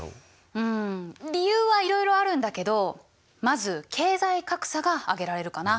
うん理由はいろいろあるんだけどまず経済格差が挙げられるかな。